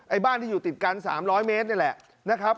บ้านที่อยู่ติดกัน๓๐๐เมตรนี่แหละนะครับ